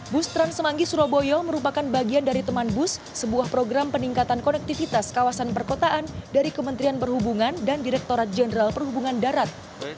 bus trans semanggi surabaya merupakan bagian dari teman bus sebuah program peningkatan konektivitas kawasan perkotaan dari kementerian perhubungan dan direkturat jenderal perhubungan darat